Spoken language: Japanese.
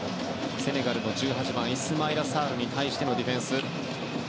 セネガルの１８番イスマイラ・サールに対してのディフェンス。